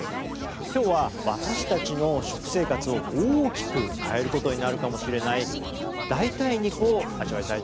きょうは私たちの食生活を大きく変えることになるかもしれない代替肉を味わいたいと思います。